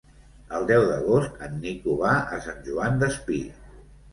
El deu d'agost en Nico va a Sant Joan Despí.